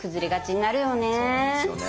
そうなんですよね。